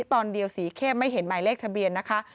ตอนเดียวสีเข้มไม่เห็นหมายเลขทะเบียนนะคะ